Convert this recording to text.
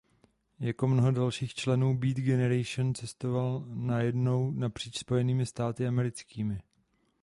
Jako mnoho dalších členů Beat generation cestoval nejednou napříč Spojenými státy americkými.